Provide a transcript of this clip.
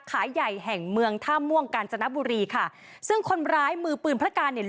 ขายใหญ่แห่งเมืองท่าม่วงกาญจนบุรีค่ะซึ่งคนร้ายมือปืนพระการเนี่ย